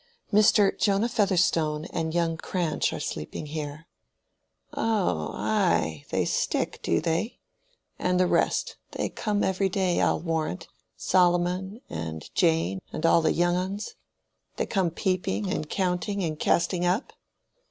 "Mr. Jonah Featherstone and young Cranch are sleeping here." "Oh ay, they stick, do they? and the rest—they come every day, I'll warrant—Solomon and Jane, and all the young uns? They come peeping, and counting and casting up?"